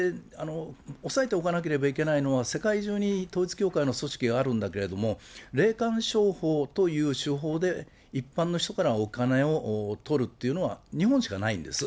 押さえておかなければいけないのは、世界中に統一教会の組織があるんだけれども、霊感商法という手法で一般の人からお金を取るというのは、日本しかないんです。